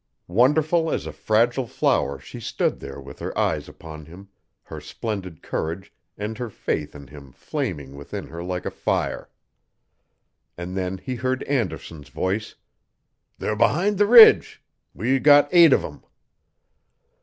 Wonderful as a fragile flower she stood there with her eyes upon him, her splendid courage and her faith in him flaming within her like a fire. And then he heard Anderson's voice: "They're behind the ridge. We got eight of them."